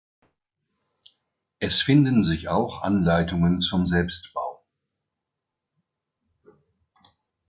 Es finden sich auch Anleitungen zum Selbstbau.